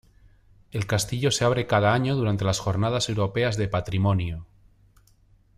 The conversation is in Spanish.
El castillo se abre cada ano durante las Jornadas Europeas de Patrimonio.